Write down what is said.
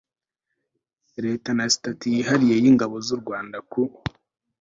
Leta na sitati yihariye y Ingabo z u Rwanda ku